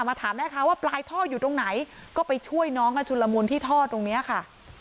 ถามแม่ค้าว่าปลายท่ออยู่ตรงไหนก็ไปช่วยน้องกันชุนละมุนที่ท่อตรงนี้ค่ะ